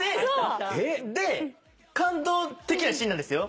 で感動的なシーンなんですよ。